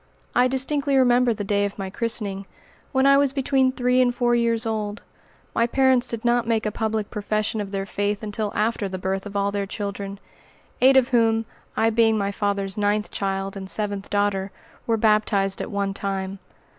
I distinctly remember the day of my christening, when I was between three and four years old. My parents did not make a public profession of their faith until after the birth of all their children, eight of whom I being my father's ninth child and seventh daughter were baptized at one time.